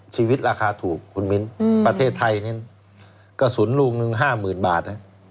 ชีวิตราคาถูกคุณมิ้นประเทศไทยนี่ก็ศูนย์ลูงเงิน๕๐๐๐๐บาท